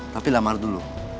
tapi lamar dulu